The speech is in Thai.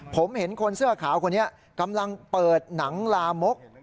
ผมเห็นคนเสื้อขาวคนนี้กำลังเปิดหนังลามก